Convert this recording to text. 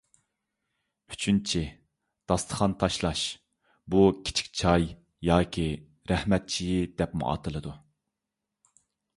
ئۈچىنچى، داستىخان تاشلاش. بۇ «كىچىك چاي» ياكى «رەھمەت چېيى» دەپمۇ ئاتىلىدۇ.